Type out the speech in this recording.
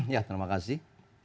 ya terima kasih